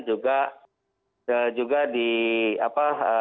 dan juga di bbm